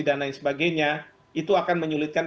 dan lain sebagainya itu akan menyulitkan